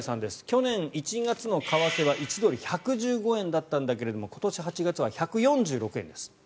去年１月の為替は１ドル＝１１５円だったんだけど今年８月は１４６円です。